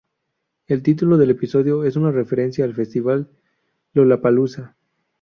El título del episodio es una referencia al festival Lollapalooza.